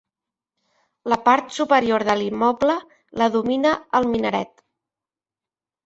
La part superior de l'immoble la domina el minaret.